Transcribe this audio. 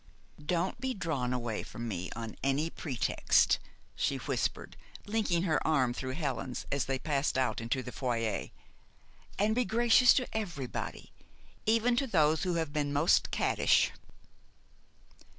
"Don't be drawn away from me on any pretext," she whispered, linking her arm through Helen's as they passed out into the foyer. "And be gracious to everybody, even to those who have been most cattish."